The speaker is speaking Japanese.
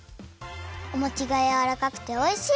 おもちがやわらかくておいしい！